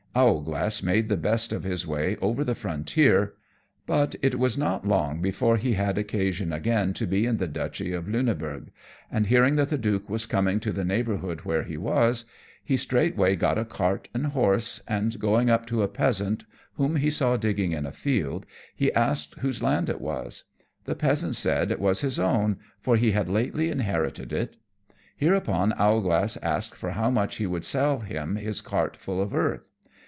Owlglass made the best of his way over the frontier; but it was not long before he had occasion again to be in the Duchy of Luneburgh, and hearing that the Duke was coming to the neighbourhood where he was, he straightway got a cart and horse, and going up to a peasant, whom he saw digging in a field, he asked whose land it was. The peasant said it was his own, for he had lately inherited it. Hereupon Owlglass asked for how much he would sell him his cart full of earth.